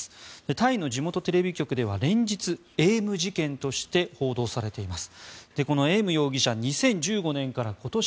タイの地元テレビ局では連日、エーム事件として報道されています。